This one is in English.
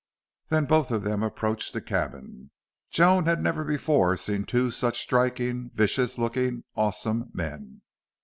Then both of them approached the cabin. Joan had never before seen two such striking, vicious looking, awesome men.